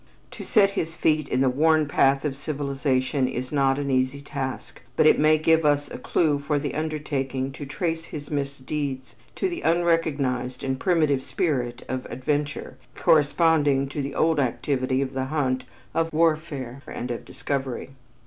To set his feet in the worn path of civilization is not an easy task, but it may give us a clue for the undertaking to trace his misdeeds to the unrecognized and primitive spirit of adventure corresponding to the old activity of the hunt, of warfare, and of discovery.